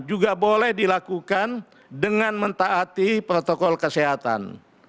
juga boleh dilakukan dengan mentaati protokol kesehatan